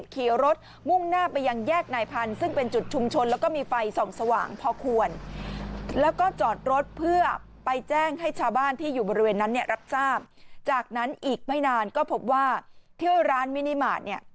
เขากลับมาใหม่นะ